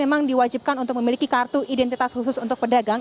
memang diwajibkan untuk memiliki kartu identitas khusus untuk pedagang